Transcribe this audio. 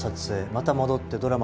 また戻ってドラマの収録。